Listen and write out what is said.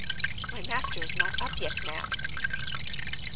"My master is not up yet, ma'am."